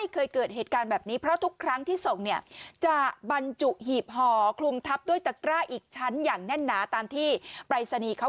เป็นประจำแต่ไม่เคย